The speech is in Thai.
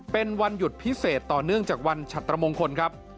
เป็นวันหยุดพิเศษต่อเนื่องจากวันฉัตรมงคลครับ